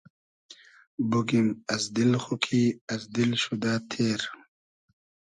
بوگیم از دیل خو کی از دیل شودۂ تېر